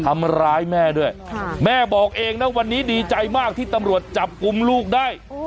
ทำร้ายแม่ด้วยแม่บอกเองนะวันนี้ดีใจมากที่ตำรวจจับกลุ่มลูกได้